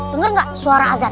dengar gak suara azan